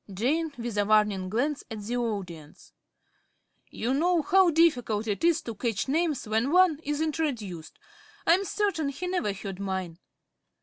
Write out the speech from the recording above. ~Jane~ (with a warning glance at the audience). You know how difficult it is to catch names when one is introduced. I am certain he never heard mine.